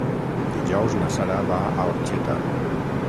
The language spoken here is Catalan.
Dijous na Sara va a Orxeta.